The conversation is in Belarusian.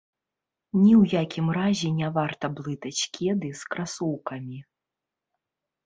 Ні ў якім разе не варта блытаць кеды з красоўкамі.